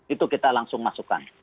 itu kita langsung masukkan